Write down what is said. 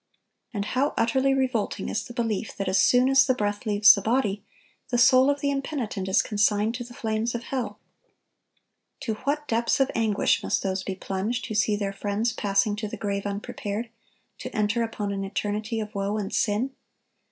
And how utterly revolting is the belief that as soon as the breath leaves the body, the soul of the impenitent is consigned to the flames of hell! To what depths of anguish must those be plunged who see their friends passing to the grave unprepared, to enter upon an eternity of woe and sin!